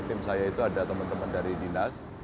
tim saya itu ada teman teman dari dinas